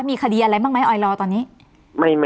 มีคดีอะไรบ้างมั้ยไอลอร์ตอนนี้